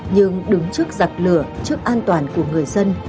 nhưng đứng trước giặc lửa trước an toàn của người dân